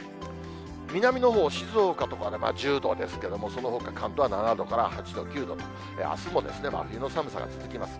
南のほう、静岡とかでは１０度ですけども、そのほか関東は７度から８度、９度と、あすも真冬の寒さが続きます。